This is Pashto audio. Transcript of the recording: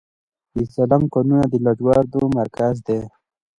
د سرسنګ کانونه د لاجوردو مرکز دی